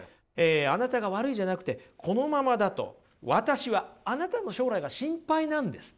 あなたが悪いじゃなくてこのままだと私はあなたの将来が心配なんです。